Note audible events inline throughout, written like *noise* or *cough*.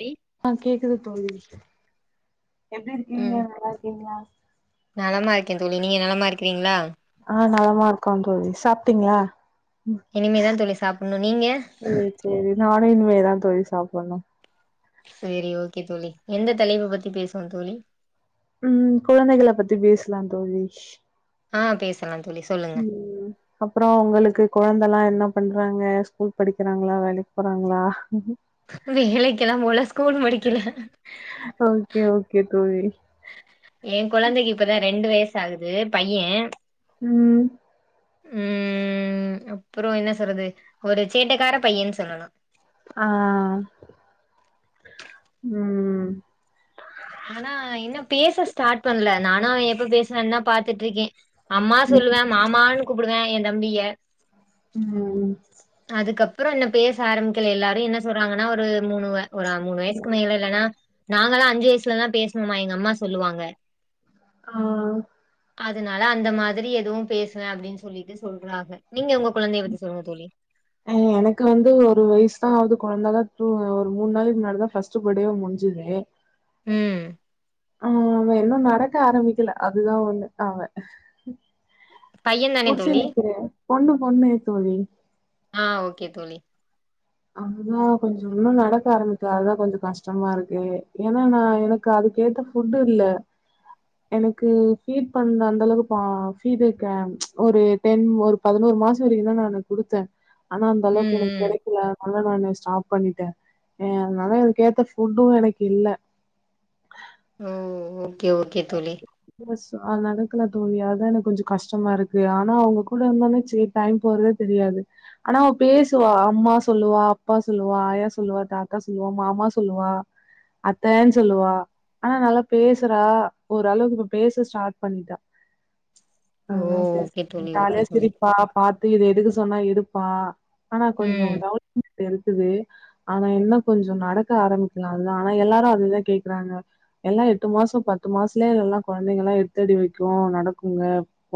D ஆ கேக்குது தோழி எப்படி இருக்கீங்க ம் நல்லா இருக்கீங்களா நலமா இருக்கே தோழி நீங்க நலமா இருக்கிறீங்களா ஆ நலமா இருக்கோ தோலி சாப்ட்டீங்களா இனிமேதா தோளி சாப்பின்ணு நீங்க இனிமே தா தோழி சாப்பின்ணு சேரி ஓகே தோலி எந்த தலைப்ப பத்தி பேசுவோ தோழி உ கொழந்தைகள பத்தி பேசலா தோழி ஆ பேசு உம் அப்பறோ உங்களுக்கு கொழந்தைலா என்ன பண்றாங்க ஸ்கூல் படிக்கிறாங்களா வேலைக்கு போறாங்களா வேலைக்கெலா போல ஸ்கூல் முடிக்கல ஓகே ஓகே தோழி எ குழந்தைக்கு இப்பதா ரெண்டு வயச ஆகுது பைய்யே உ உ அப்பறோ என்ன சொல்றது ஒரு சேட்டக்கார பையன்னு சொல்லலா ஆ உ ஆனா இன்னு பேச ஸ்டார்ட் பண்ணல நானு அவே எப்ப பேசுவானு தா பாத்துட்ருக்கே அம்மா சொல்லுவே மாமான் கூப்புடுவே எ தம்பியே உ அப்பறோ என்ன பேச ஆரம்பிக்கல எல்லாரு என்ன சொல்றாங்கன்னா ஒரு மூணுவ போறா மூணு வயசுக்கு மேல இல்லனா நாங்கலா அஞ்சு வயசுலதா பேசுணோமா எங்க அம்மா சொல்லுவாங்க ஆ அதனால அந்த மாதிரி எதுவு பேசுவே அப்டின்னு சொல்லிட்டு சொல்றாங்க நீங்க உங்க கொழந்தை பத்தி சொல்லுங்க தோழி ம் எனக்கு வந்து ஒரு வயசு தா ஆவது குழந்தாதா தூ ஒரு மூணு நாளைக்கு முன்னாடி ஃபஸ்ட்டு பட்டேவே முடிஞ்சுது ம் ஆ அவன் இன்னு நடக்க ஆரம்பிக்கல அதுதா ஒண்ணு அவ பையன் தானே புடிச்சுன் தோழி நிக்கிறே பொண்ணு பொண்ணு தோழி ஆ ஓக்கே தோழி அதுதா கொஞ்ச இன்னு நடக்க ஆரம்பிச்சே அதுதா கொஞ்ச கஷ்டமா இருக்கு ஏனா நா எனக்கு அதுக்கேத்த ஃபுட்டு் இல்ல எனக்கு ஃபீட் பண்ண அந்த அளவு பா ஃபீட இருக்கே ஒரு டென் ஒரு பதினோரு மாச வரைக்குதா நானு குடுத்தே ஆனா அந்த அளவுக்கு ம் எனக்கு ம் கிடைக் அதனால நானு ஸ்டாப் பண்ணிட்டே. ஏ அதனால அதுக்கேத்த ஃபுட்டும் எனக்கு இல்ல ஓ ஓ ஓக்கே ஓக்கே தோழி எஸ் நடக்கல தோழி அதா எனக்கு கொஞ்ச கஷ்டமா இருக்கு ஆனா அவுங்க கூட இருந்தே ச டைம் போறதே தெரியாது ஆனா அவ பேசுவா அம்மா சொல்லுவா அப்பா சொல்லுவா ஆயா சொல்லுவா தாத்தா சொல்லுவா மாமா சொல்லுவா அத்தைன் சொல்லுவா ஆனா நல்லா பேசுறா ஓரளவுக்கு இப்ப பேச ஸ்டாட் பண்ணிட்டா ஓ நல்ல பேசு ஓகே தோழி ஓகே ஜாலியா தோழி சிரிப்பா பாட் இது எடுக்கா சொன்னா எடுப்பா ஆனா கொஞ்ச ம் கவ இருக்குது ஆனா என்ன கொஞ்ச நடக்க ஆரம்பிக்கல அதா ஆனா எல்லாரு அதுதா கேக்கறாங்க எல்லா எட்டு மாச பத் பத்து மாசத்துலே எல்லா கொழந்தைங்கல்லா எடுத்தடி வைக்கும் நடக்குங்க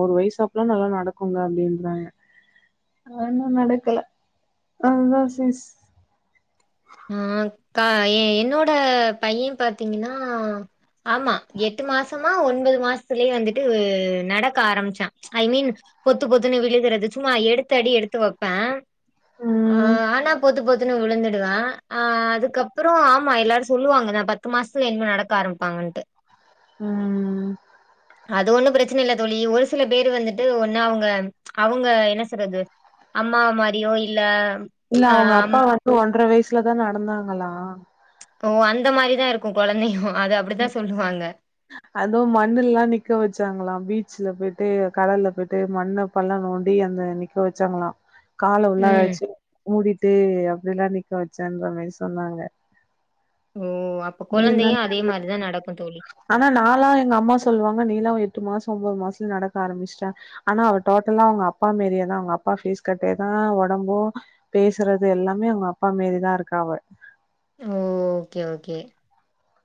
ஒரு வயசாப்பல நல்லா நடக்குங்க அப்டின்றாங்க இன்னு நடக்கல அதா சே ஆ க்கா எ என்னோட பைய பாத்தீங்கன்னா ஆமா எட்டு மாசமா ஒன்பது மாசத்துலயே வந்துட்டு நடக்க ஆரம்பிச்சே ஐ மீன் பொத்து பொத்துன்னு விழுகறது சும்மா எடுத்தடி எடுத்து வைப்பே ஆ ம். ஆனா பொத்து பொத்து ன்னு விழுந்துடுவா ஆ அதுக்கப்புற ஆமா எல்லாரு சொல்லுவாங்க தா பத்து மாசத்துல ன்னிமே நடக்க ஆரம்பிப்பாங்கட்டு ம் ம் அது ஒன்னு பிரச்சனை இல்ல தோழி ஒரு சில பேரு வந்துட்டு ஒன்னு அவுங்க அவுங்க என்ன சொல்றது அம்மா மாரியோ இல்ல இல்ல ஆ அவுங்க அப்பா அம்- வந்து ஒன்றரை வயசு ல தா நடந்தாங்களா ஓ அந்த மாரிதா இருக்கும் கொழந்தைகளும் அதுவு மண்ணுலல நிக்க வச்சாங்களாம் பீச் சில போயிட்டு கடல்ல போயிட்டு மண்ண பள்ள நோண்டி அந்த நிக்க வச்சாங்கலா கால ம் உள்ளாச்சு மூடி டேய் அப்டிலா நிக்க வச்சேன்றமாரி சொன்னாங்க ஓ அப்ப நீ என்ன கொழந்தையும் அதே மாரி ஆனா நா ல்ல எங்க அம்மா சொல்லுவாங்க நீ லா எடுத் எட்டு மாசோ ஒன்போது மாசத்துல நடக்க ஆரம்பிச்சிட்டா ஆனா அவ டோட்டலா அவங்க அப்பா மாரியேதா அவங்க அப்பா ஃபேஸ் கட்டேதா ஒடம்பூ பேசுறது எல்லாமே அவங்க அப்பா மாறிதா இருக்கா அவ ஓ ஓகே ஓகே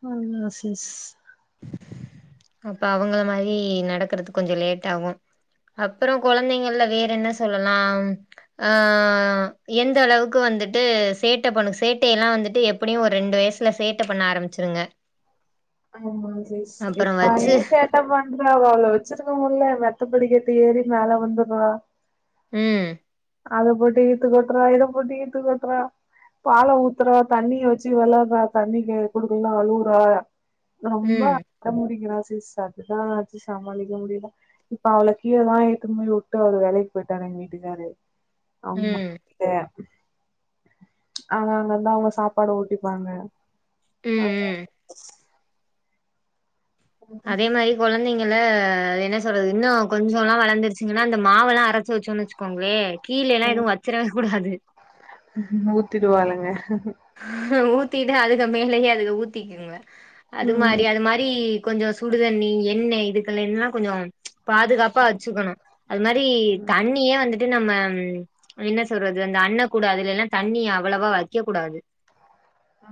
ஆ ஆ சிஷ் அப்ப அவங்கள மாரி நடக்கறது கொஞ்சோ லேட்ஆவு அப்பறோ கொழந்தைங்கள்ல வேற என்ன சொல்லலா அ எந்த அளவுக்கு வந்துட்டு சேட்ட பண்ணு சேட்டைனா வந்துட்டு எப்படியு ஒரு ரெண்டு வயசுல சேட்டை பண்ண ஆரம்பிச்சிருங்க ஆமா சரி சரி அப்பறோ வச்சு பையன் சேட்டா பண்றா அவ்வ வச்சிருக்க முடில த்த படிக்கட்டு ஏறி மேல வந்துரா உ அத போட்டு இத்து கொட்டுறா இத போட்டு இத்து கொட்டுறா பால ஊத்துறா தண்ணிய வச்சு விளாட்றா தண்ணிக்கு குடுக்கலான அழுவுறா ரொம்ப ம் அடோ புடிக்கிறா *unintelligible* சத்துதா அதுவச்சு சமாளிக்க முடியல இப்ப அவளைக்கீழதா இழுத்துனு போய் விட்டு அவரு வேலைக்கு போயிட்டார் எங்க வீட்டுக்காரு ஆம்மா ம் கிட்ட அங்க அங்கந்தா அவங்க சாப்பாடு ஊட்டிப்பாங்க உ உ அதே மாரி கொழந்தைங்கள என்ன சொல்றது இன்னு கொஞ்சலா வளர்ந்துருச்சுங்கன்னா அந்த மாவலா அரைச்சு வச்சோன்னு வச்சுக்கோங்களே கீழே லா எதுவு வச்சிரவே கூடாது ஊத்திடுவாளுங்க ஹ உத் த்திட்டு அதுக்கு மேலயே அதுக ஊத்திக்குங்க அது ம் மாரி அது மாரி கொஞ்சோ சுடுதண்ணி எண்ணெய் இதுக்கெல்லா கொஞ்சோ பாதுகாப்பா வச்சுக்கணு அது மாரி தண்ணிய வந்துட்டு டு நம்ம என்ன சொல்றது அந்த அண்ண கூட அதுலலா தண்ணிய அவ்வளவா வக்க கூடாது உ உ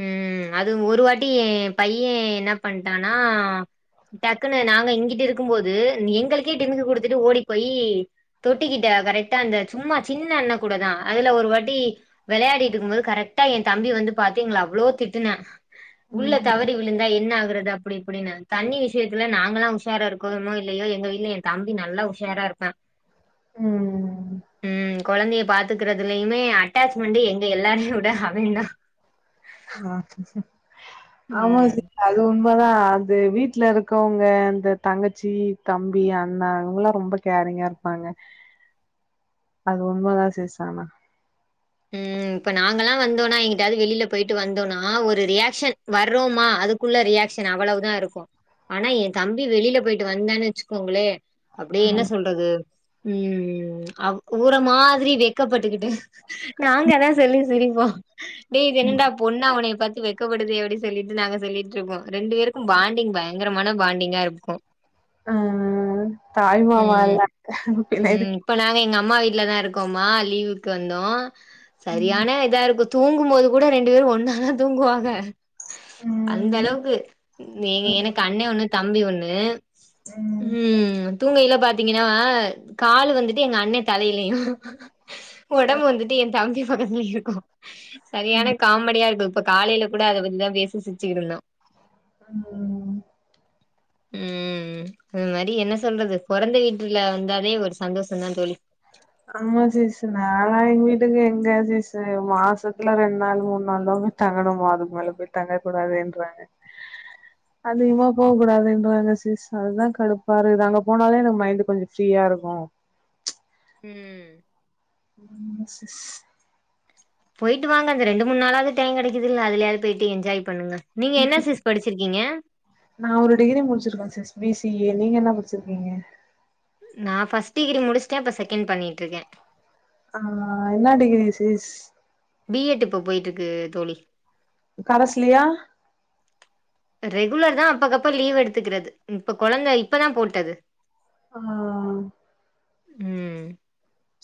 உ அது ஒரு வாட்டி பைய்யே என்ன பண்ட்டானா டக்குன்னு நாங்க இங்கிட்டு இருக்கும்போது எங்களுக்கே டிமிக்கி குடுத்துட்டு ஓடி போய் தொட்டிக்கிட்ட கரெக்டா அந்த சும்மா சின்ன அண்ண கூடதா அதுல ஒரு வாட்டி விளையாடிட்டு இருக்கும்போது கரெக்டா எ தம்பி வந்து பாத்து எங்கள அவ்ளோ திட்டுனா உள்ள ம் தவறி விழுந்தா என்ன ஆ குரது அப்டி இப்டின்னு தண்ணி விஷயத்துல நாங்கல்லா உஷாரா இருக்கோமோ இல்லையோ எங்க வீ்ட்ல எ தம்பி நல்லா உஷாரா இருப்பா உ கொழந்தைய பாத்துக்குறதுலயுமே அட்டாச் ச்மன்ட்டு எங்க எல்லாரையு விட அவே தா ஆ ஆமா ம் சிஸ்டர் அவுந் ரொம்பதா அது வீட்ல இருக்கவங்க இந்த தங்கச்சி தம்பி அண்ணா அவங்கல்லா ரொம்ப கேரிங்கா இருப்பாங்க அது உண்மதா சிஸ்டர் ஆனா ம் இப்ப நாங்க எல்லா வந்தோன்னா எங்கிட்டாவது வெளில போயிட்டு வந்தோன்னா ஒரு ரியாக்க்ஷன் வர்றோமா அதுக்குள்ள ரியாக்க்ஷன் அவ்வளவுதா இருக்கு ஆனா எ தம்பி வெளில போயிட்டு வந்தான் வெச்சுக்கோங்களே அப்டியே ஆமா என்ன சொல்றது ம் அவ் ஊற மாதிரி வெக்கப்பட்டுக்கிட்டு நாங்கதா சொல்லி சிரிப்போ டேய் இது என்னடா பொண்ணா உன்னிய பாத் து வெக்கப்படுதே அப்டின் சொல்லிட்டு நாங்க சொல்லிட்ருப்போ ரெண்டு பேருக்கும் பாண்டிங் பயங்கரமான பாண்டிங்கா இருக்கு ம் தாய் மாமா ம் இல்லன்னாக்க பின்ன எதுக்கு இல்லன்னா இருக்கோமா லீவுக்கு வந்தோ ம் செரியான இதா இருக்கு தூங்கும்போது கூட ரெண்டு பேரு ஒன்னாதா தூங்குவாங்க அந்த ம் அளவுக்கு ம் எனக்கு அண்ணெ ஒண்ணு தம்பி ஒண் ணு ம் தூங்கையில பாத்தீங்கன்னா கால் வந்துட்டு எங்க அண்ணெ தலையிலயு ஒடம்பு வந்துட் தம்பி பக்கத்துலயு இருக்கு சரியான காமெடியா இருக்கு இப்ப காலையில கூட அத பத்திதா பேசி சிருச்சுகிட்டு இருந்தோ ம் ம் அது மாரி என்ன சொல்றது பொறந்த வீட்டுல வந்தாவே ஒரு சந்தோஷந்தா தோழி ஆமா சிஸ்டர் நாலா எங்க வீட்டுக்கு எங்க சிஸ்டர் மாசத்துல ரெண்டு நாள் மூணு நாள் தா போய் தங்கணுமா அதுக்கு மேல போயி தங்க கூடாதுன்றாங்க அதிகமா போக கூடாதுன்றாங்க சிஸ்டர் அதுதா கடுப்பாரு இருக்கு அங்க போனாலே எனக்கு மைண்ட்டு கொஞ்சோ ஃப்ரீயா இருக்கு ம் ம் சிஸ் போயிட்டு வாங்க அந்த ரெண்டு மூணுாளாவது டைம் கெடைக்குதுல்ல அதுலயாவது போயிட்டு என்ஜாய் பண்ணுங்க நீங்க என்ன சிஸ் படிச்சிருக்கீங்க நான் ஒரு டிகிரி முடுச்சுருக்க சிஸ் பி சி ஏ நீங்க என்ன படுச்சுருக்கீங்க நா ஃபஸ்ட் டிகிரி முடுச்சுட்ட இப்போ செகண்ட் பண்ணிட்ருக்க ஆ என்ன டிகிரி சிஸ் பி எட் இப்ப போயிட்டு இருக்கு தோழி கரஸ்லியா ரெகுலர்தா அப்பக்கப்ப லீவ் எடுத்துக்குறது இப்ப கொழந்த இப்பதா போட்டது ஆ ம்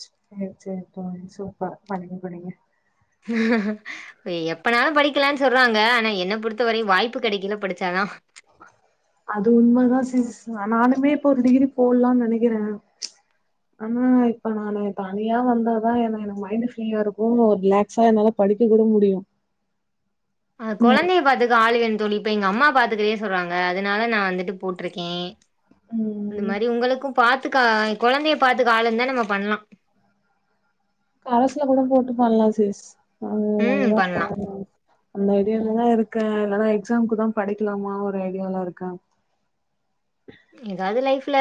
சேரி சேரி தோழி சூப்பர் படிங்க படிங்க எ எப்பனாலு படிக்கலான்னு சொல்றாங்க ஆனா என்ன பொறுத்தவரையு வாய்ப்பு கெடைக்கைல படிச்சாதா அது உண்மதா சிஸ்டர் அ நானுமே இப்ப ஒரு டிகிரி போட்லான்னு நெனைக்கிறே ஆனா இப்ப நானு தனியா வந்தாதா என எனக்கு மைண்டு ஃப்ரீயா இருக்கு ரிலாக்ஸா என்னால படிக்க கூட முடியு. ஆ கொழந்தைய பாத்துக்க ஆளு வேணு தோழி இப்ப எங்க அம்மா பாத்துக்கறேன்னு சொல்றாங்க. அதனால நா வந்துட்டு போட்ருக்கே. அந்த ம் மாரி உங்களுக்கு பாத் த்துக்கா எ கொழந்தைய பாத்துக்க ஆளு இருந்தா நம்ம பண்லா. கரஸ்ல கூட போட்டு பண்லா சிஸ். நானு ம் அதுதா பண்லா பாக்கறே அந்த ஐடியாலதா இருக்கே இல்லனா எக்ஸாம்க்குதா படிக்கலாமா ஒரு ஐடியால இருக்கே. எதாவது லைஃப் ல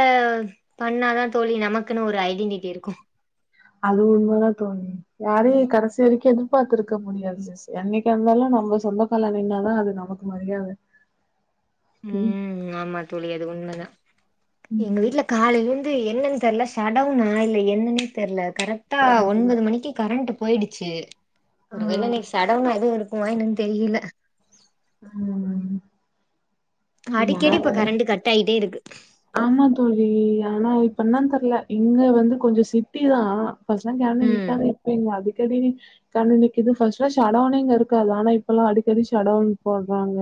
பண்ணாதா தோழி நமக்குன்னு ஒரு ஐடென்டிட்டி இருக்கு. அது உண்மதா தோழி. யாரையு கடைசி வரைக்கி எதிர்பாத்திருக்க முடியாது சிஸ். என்னைக்கா இருந்தாலு நம்ம சொந்தக்கால்ல நின்னாதா அது நமக்கு மரியாத. ம் ஆமா தோழி அது உண்மதா. எங்க வீட்ல காலைல இருந் து என்னன் தெர்ல ஷடவுனா இல்ல என்னனே தெர்ல. கரெக்டா ஒன்பது மணிக்கி கரண்ட்டு போயிடுச்சு ஆ ஒரு வேள இன்னக்கி ஷடவுனா எது இரு க்குமா என்னன்னு தெரியில. ஆ அடிக்கடி இப்ப கரண்டு கட் ஆயிட்டே இருக்கு. ஆமா தோழி ஆனா இப்ப என்னன் தெர்ல. இங்க வந்து கொஞ்சொ சிட்டிதா. ஃபஸ்ட்லா கரண்டு ம் நிக்காது இப்ப இங்க அடி க்கடி நி கரண்டு நிக்கிது ஃபஸ்ட்லா ஷடவுனே இங்க இருக்காது ஆனா இப்பல்லா அடிக்கடி ஷடவுன் போட்றாங்க.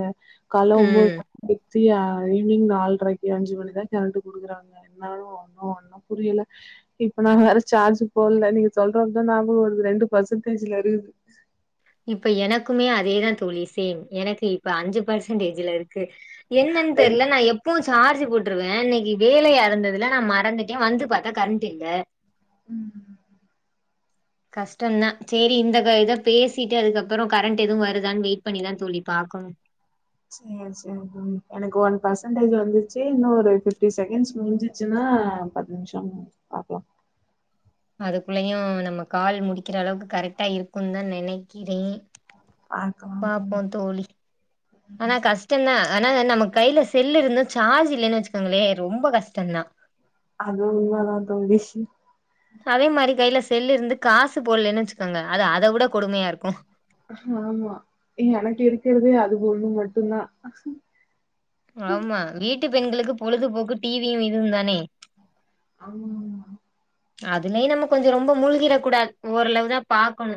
கால்ல ஒம்போது ம் பத்து மணி சியா ஈவினிங் நால்ரைக்கி அஞ்சு மணி க்குதா கரண்டு குடுக்குறாங்க. என்னனு ஒன்னு ஒன்னும் புரியல. இப்ப நா வேற சார்ஜ் போடல நீங்க சொன்னவுந்தா ஞாபகோ வருது ரெண்டு பர்சன்டேஜ்ல இருக்குது. இப்ப எனக்குமே அதேதா தோழி சேம் எனக்கு இப்ப அஞ்சு பர்சன்டேஜ்ல இருக்கு. என்னன் ரெண் தெர்ல நா எப்பவு சார்ஜு போட்ருவே இன்னக்கி வேலையா இருந்ததுல நா மறந்துட்டே வந்து பாத்தா கரண்ட்டு இல்ல. உ கஷ்டந்தா சரி இந்த இத பேசிட்டு அதுக்கப்பறோ கரண்ட் எதுவு வருதானு வெயிட் பண்ணிதா சொல்லி பாக்கணு சரி சரி எனக்கு ஒன் பர்சன்டேஜ் வந்துச்சு இன்னு ஒரு ஃபிஃப்டி செகன்ஸ் முடிஞ்சிச்சுன்னா பத்து நிமிஷோ பாக்கலா அதுக்குள்ளயு நம்ம கால் முடிக்கிற அளவுக்கு கரெக்டா இருக்குன்னு தா நினைக்கிறே பார்ப்போ தோழி ஆனா கஷ்டந்தா ஆனா என்ன நம்ம கையில செல்லு இருந்தும் சார்ஜ் இல்லலைன்னு வச்சுக்கோங்களே ரொம்ப கஷ்டந்தா அதுவு உன்மதா தோழி அதே மாரி கையில செல்லு இருந்து காசு போடலன்னு வச்சுக்கோங்க அது அத விட கொடுமையா இருக்கு ஆமா எ எனக்கு இருக்கிறதே அது ஒன்னு மட்டுந்தா ஆமா வீட்டுக்கு பெண்களுக்கு பொழுதுபோக்கு டி வியு இதுவு தானே ஆமாமா அதுலயு நம்ம கொஞ்சோ ரொம்ப மூழ்கிர கூடாது ஓரளவு தா பாக்கணு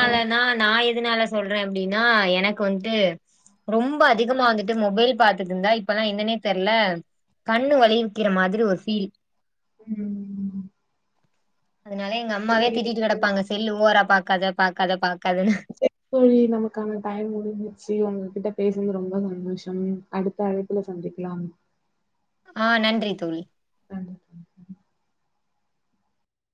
ஆ நா எது எதனால சொல்றே அப்டின்னா எனக்கு வந்துட்டு ரொம்ப அதிகமா வந்துட்டு மொபைல் பாத்துட்டு இருந்தா இப்பல்லா என்னன்னே தெர்ல கண்ணு வளைக்கிற மாதிரி ஒரு ஃபீல் உ அதனால எங்க அம்மாவே சேரி திட்டிட்டு தோழி கெடப்பாங்க செல்லு ஓவரா பாக் கத பாக்காத பாக் சரிங்க தோழி நமக்கான டயம் முடிஞ்ச்சு உங்ககிட்ட பேச *unintelligible* ரொம்ப சந்தோஷம் அடுத்த அழைப்புல சந்திக்கலாம் ஆ நன்றி தோழி அ